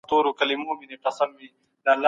که زده کوونکی نوې لاري زده کړي دا تعليم دی.